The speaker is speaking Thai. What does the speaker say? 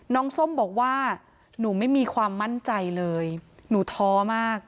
ส้มบอกว่าหนูไม่มีความมั่นใจเลยหนูท้อมาก